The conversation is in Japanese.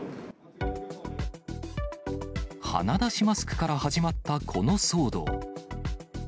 鼻出しマスクから始まった、この騒動。